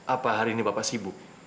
apa hari ini bapak sibuk